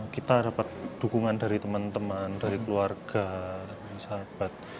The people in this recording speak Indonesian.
kita dapat dukungan dari teman teman dari keluarga dari sahabat